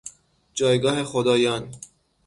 جایگاه خدایان